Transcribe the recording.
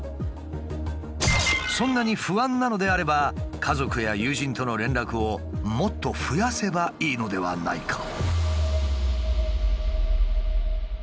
そんなに不安なのであれば家族や友人との連絡をもっと増やせばいいのではないか？